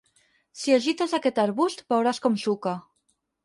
Si agites aquest arbust veuràs com suca.